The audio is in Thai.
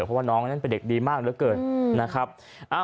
เพราะว่าน้องนั้นเป็นเด็กดีมากเหลือเกินนะครับ